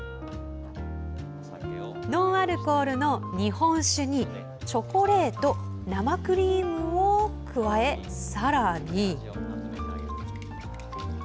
ノンアルコールの日本酒にチョコレート生クリームを加え、さらに。